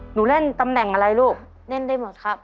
เล่นตำแหน่งอะไรลูกเล่นได้หมดครับ